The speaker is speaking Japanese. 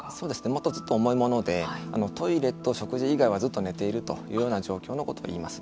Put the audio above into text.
もっとずっと重いものでトイレと食事以外はずっと寝ているという状況のことを言います。